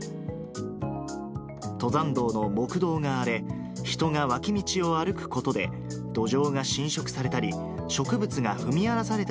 登山道の木道が荒れ、人が脇道を歩くことで、土壌が侵食されたり、植物が踏み荒らされ